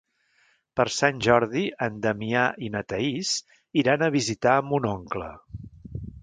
Per Sant Jordi en Damià i na Thaís iran a visitar mon oncle.